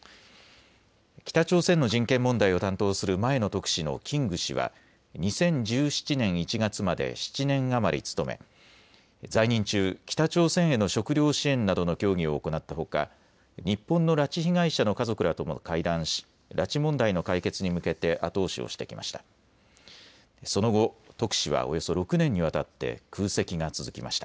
北朝鮮の人権問題を担当する前の特使のキング氏は２０１７年１月まで７年余り務め在任中、北朝鮮への食糧支援などの協議を行ったほか日本の拉致被害者の家族らとも会談し拉致問題の解決に向けて後押しをしてきました。